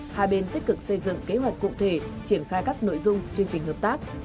hai bên tích cực xây dựng kế hoạch cụ thể triển khai các nội dung chương trình hợp tác